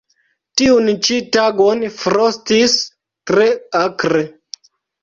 Tiun ĉi tagon frostis tre akre.